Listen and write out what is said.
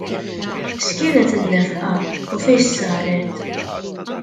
X'kienet in-nefqa u fiex saret?